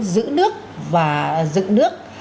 giữ nước và dựng nước